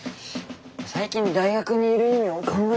最近大学にいる意味を考えててね。